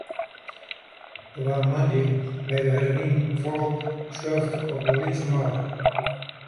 Der waard moandei mei de hurde wyn folop surft op de Iselmar.